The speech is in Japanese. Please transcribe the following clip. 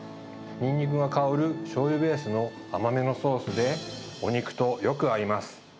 ニンニクが香るしょうゆベースの甘めのソースで、お肉とよく合います。